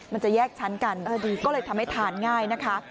มันจะแยกชั้นกันก็เลยทำให้ทานง่ายนะคะ